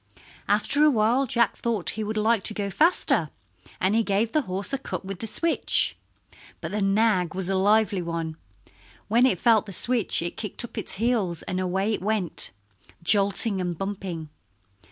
After awhile Jack thought he would like to go faster, and he gave the horse a cut with the switch. But the nag was a lively one. When it felt the switch it kicked up its heels, and away it went, jolting and bumping.